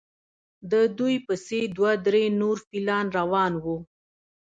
د دوی پسې دوه درې نور فیلان روان وو.